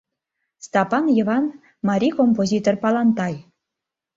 Стапан Йыван — марий композитор Палантай.